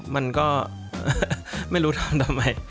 มันก็ไม่รู้ทำทำไม